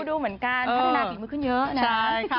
ดูเหมือนกันพระอาทิตย์มันขึ้นเยอะนะ